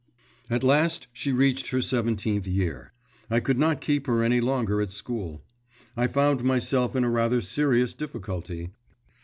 'At last she reached her seventeenth year. I could not keep her any longer at school. I found myself in a rather serious difficulty.